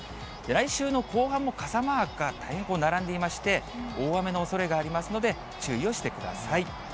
来週の後半も傘マークが大変こう並んでいまして、大雨のおそれがありますので、注意をしてください。